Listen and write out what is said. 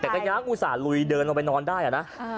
แต่ก็ยังอุตส่าหลุยเดินลงไปนอนได้นะ